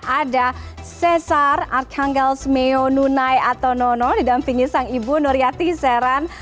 ada cesar arkangelsmeo nunai atau nono didampingi sang ibu nur yati seran